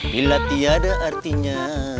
bila tiada artinya